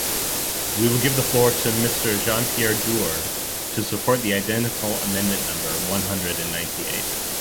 We will give the floor to Mr Jean-Pierre Door, to support the identical amendment number one hundred and ninety eight.